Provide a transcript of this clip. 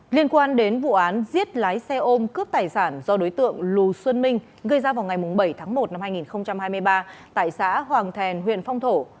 liên quan đến vụ án giết lái xe ôm cướp tài sản do đối tượng lù xuân minh gây ra vào ngày bảy tháng một năm hai nghìn hai mươi ba tại xã hoàng thèn huyện phong thổ